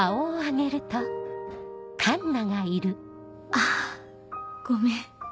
あっごめん。